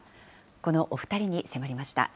このお２人に迫りました。